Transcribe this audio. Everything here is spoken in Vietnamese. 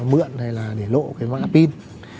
mượn hay là để lộ cái mã pin